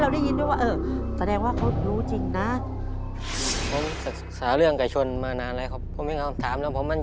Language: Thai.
ตกใจนึกว่าตอบเลย